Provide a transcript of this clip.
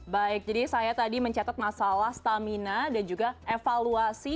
baik jadi saya tadi mencatat masalah stamina dan juga evaluasi